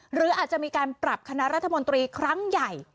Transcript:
หรืออาจจะมีการปรับคณะรัฐมนตรีครั้งใหญ่